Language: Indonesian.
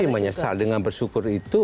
menyesal dengan bersyukur itu